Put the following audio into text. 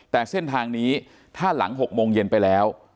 แต่เส้นทางนี้ถ้าหลัง๖โมงเย็นไปแล้ว